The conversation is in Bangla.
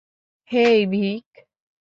হেই, ভিক।